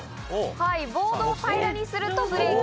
ボードを平らにするとブレーキ。